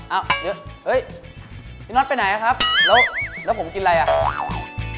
เอ้าเอ๊ยพี่น้อนไปไหนล่ะครับแล้วผมกินอะไรล่ะ